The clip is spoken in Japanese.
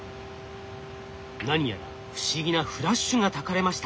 何やら不思議なフラッシュがたかれました。